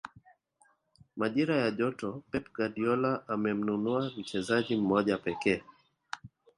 majira ya joto pep guardiola amemnunua mchezaji mmoja pekee